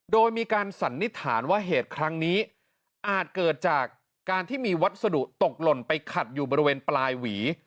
โดยมีการสันนิษฐานว่าเหตุครั้งนี้อาจเกิดจากการที่มีวัสดุตกหล่นไปขัดอยู่บริเวณปลายหวี